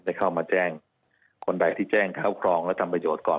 เข้ามาแจ้งคนใดที่แจ้งเข้าครองและทำประโยชน์ก่อน